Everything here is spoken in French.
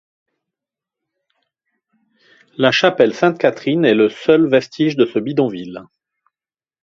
La chapelle Sainte-Catherine est le seul vestige de ce bidonville.